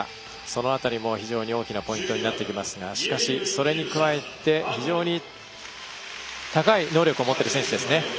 その辺りも非常に大きなポイントになってきますがしかし、それに加えて非常に高い能力を持っている選手ですね。